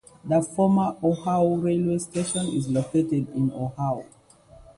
The former Ohau railway station is located in Ohau.